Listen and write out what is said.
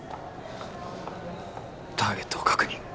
・ターゲットを確認。